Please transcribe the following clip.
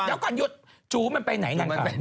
นั่งคำจูไปไหน